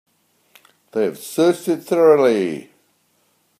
They have searched it thoroughly.